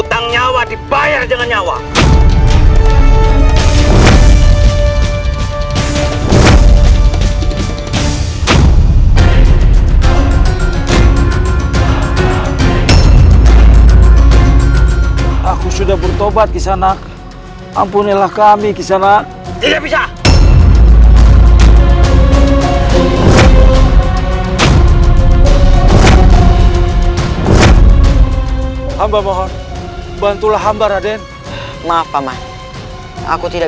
jangan jangan kamu temunya mereka